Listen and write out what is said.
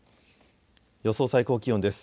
予想最高気温です。